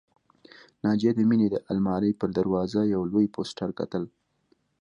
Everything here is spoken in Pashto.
ناجیه د مينې د آلمارۍ پر دروازه یو لوی پوسټر کتل